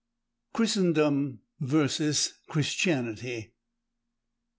CHRISTENDOM vs. CHRISTIANITY.